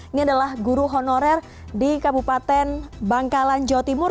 ini adalah guru honorer di kabupaten bangkalan jawa timur